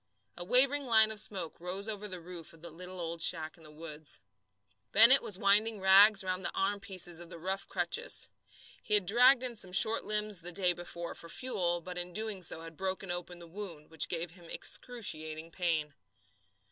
A wavering line of smoke rose over the roof of the little old shack in the woods. Bennett was winding rags round the armpieces of the rough crutches. He had dragged in some short limbs the day before for fuel, but in so doing had broken open the wound, which gave him excruciating pain.